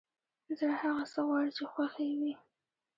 زړه هغه څه غواړي چې خوښ يې وي!